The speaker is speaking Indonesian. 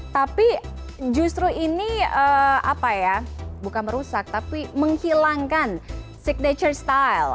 tapi justru ini apa ya bukan merusak tapi menghilangkan signature style